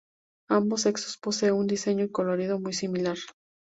Ambos sexos poseen un diseño y colorido muy similar.